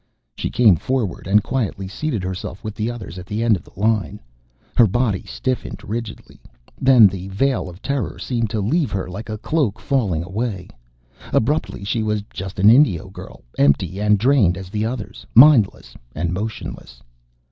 She came forward and quietly seated herself with the others, at the end of the line. Her body stiffened rigidly. Then, the veil of terror seemed to leave her, like a cloak falling away. Abruptly she was just an Indio girl, empty and drained as the others, mindless and motionless.